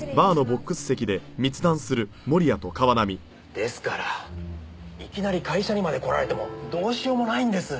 ですからいきなり会社にまで来られてもどうしようもないんです。